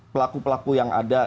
pelaku pelaku yang ada